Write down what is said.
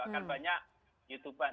akan banyak youtube an